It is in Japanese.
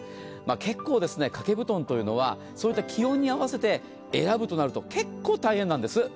結構、掛け布団というのはそういった気温に合わせて選ぶとなると結構、大変なんです。